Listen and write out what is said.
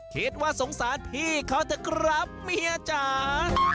คิดว่าสงสารพี่เขาเถอะครับเมียจ๋า